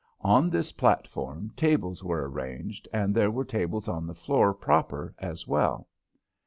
On this platform tables were arranged, and there were tables on the floor proper as well.